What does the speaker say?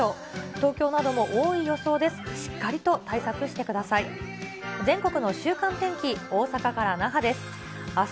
東京なども多い予想です。